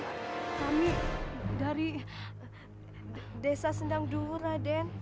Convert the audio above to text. kami dari desa sendang dura den